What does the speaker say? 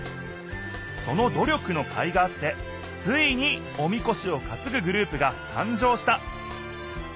そのど力のかいがあってついにおみこしをかつぐグループがたん生した。